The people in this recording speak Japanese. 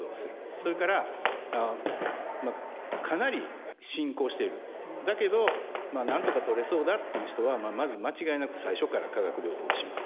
それからかなり進行しているだけど何とか取れそうだという人はまず間違いなく最初から化学療法をします。